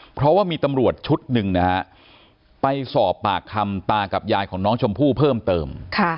เพราะว่ามีตำรวจชุดหนึ่งนะฮะไปสอบปากคำตากับยายของน้องชมพู่เพิ่มเติม